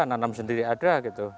nanam sendiri ada gitu